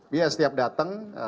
dia setiap datang